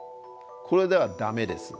これではダメです。